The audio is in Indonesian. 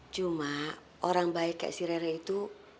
cuma orang baik kayak si rere itu